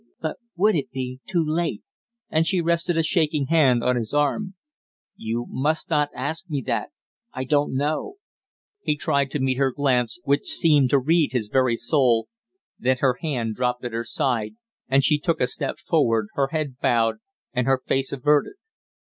"But would it be too late?" and she rested a shaking hand on his arm. "You must not ask me that I don't know." He tried to meet her glance, which seemed to read his very soul, then her hand dropped at her side and she took a step forward, her head bowed and her face averted.